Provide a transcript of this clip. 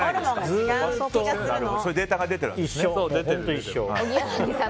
そういうデータが出てるんですね。